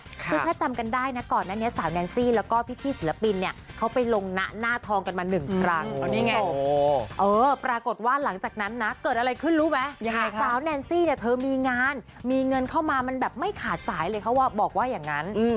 ซึ่งถ้าจำกันได้นะก่อนนั้นเนี่ยสาวแนนซี่แล้วก็พี่ศิลปินเนี่ยเขาไปลงนะหน้าทองกันมาหนึ่งครั้ง